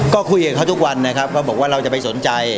ก็คุยกับเขาทุกวันนะครับเขาบอกว่าเราจะไปสนใจ